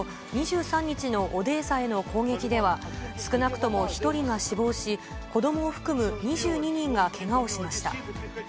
ＡＰ通信などによりますと、２３日のオデーサへの攻撃では、少なくとも１人が死亡し、子どもを含む２２人がけがをしました。